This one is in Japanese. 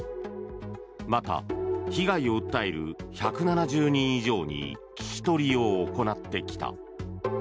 また被害を訴える１７０人以上に聞き取りを行ってきた。